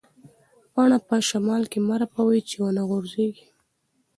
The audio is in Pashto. پاڼه په شمال کې مه رپوئ چې ونه غوځېږي.